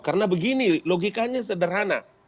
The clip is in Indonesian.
karena begini logikanya sederhana